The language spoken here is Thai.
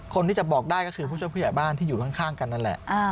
คนที่จะบอกได้ก็คือผู้ช่วยผู้ใหญ่บ้านที่อยู่ข้างกันนั่นแหละ